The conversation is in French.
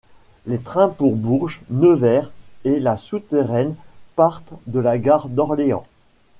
Les trains pour Bourges, Nevers et la Souterraine partent de la gare d'Orléans.